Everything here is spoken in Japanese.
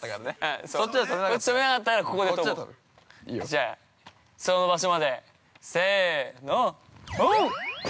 じゃあ、その場所まで、せえの。